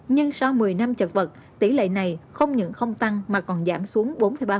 nhưng sau một mươi năm chật vật tỷ lệ này không những không tăng mà còn giảm xuống bốn ba